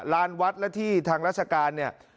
ร้านวัดและที่ทางรัชการ